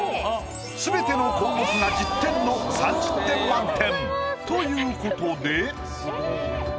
すべての項目が１０点の３０点満点。ということで。